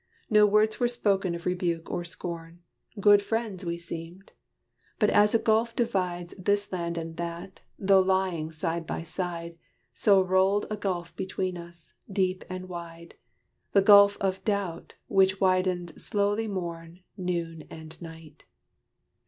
No words were spoken of rebuke or scorn: Good friends we seemed. But as a gulf divides This land and that, though lying side by side, So rolled a gulf between us deep and wide The gulf of doubt, which widened slowly morn And noon and night.